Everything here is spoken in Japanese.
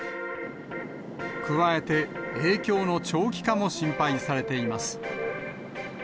加えて、影響の長期化も心配されています。